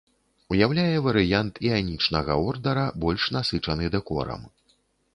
Уяўляе варыянт іанічнага ордара, больш насычаны дэкорам.